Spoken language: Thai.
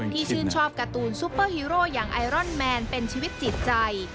ชื่นชอบการ์ตูนซูเปอร์ฮีโร่อย่างไอรอนแมนเป็นชีวิตจิตใจ